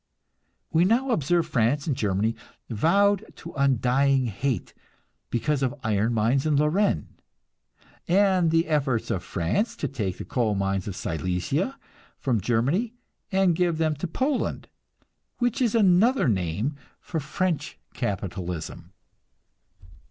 We now observe France and Germany vowed to undying hate because of iron mines in Lorraine, and the efforts of France to take the coal mines of Silesia from Germany, and give them to Poland, which is another name for French capitalism.